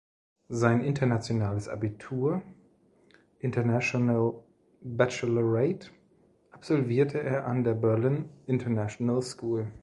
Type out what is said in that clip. Sein Internationales Abitur ("International Baccalaureate") absolvierte er an der Berlin International School.